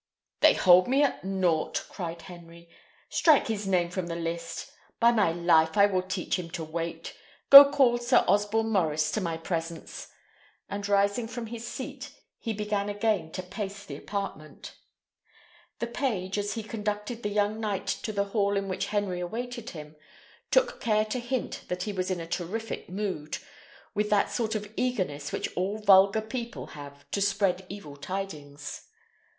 "They hold me at nought!" cried Henry. "Strike his name from the list! By my life, I will teach him to wait! Go call Sir Osborne Maurice to my presence," and rising from his seat, he began again to pace the apartment. The page, as he conducted the young knight to the hall in which Henry awaited him, took care to hint that he was in a terrific mood, with that sort of eagerness which all vulgar people have to spread evil tidings.